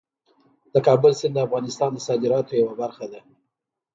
د کابل سیند د افغانستان د صادراتو یوه برخه ده.